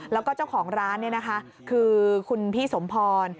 แล้วก็เจ้าของร้านคือคุณพี่สมพร